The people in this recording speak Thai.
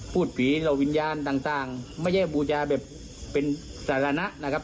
พูดผีเหล่าวิญญาณต่างไม่ใช่บูชาแบบเป็นสาระนะครับ